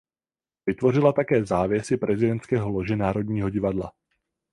Vytvořila také závěsy prezidentského lože Národního divadla.